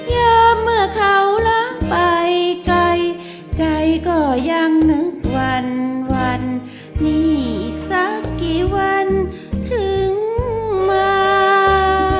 ยามเมื่อเขาล้างไปไกลใจก็ยังนึกวันวันนี้อีกสักกี่วันถึงมา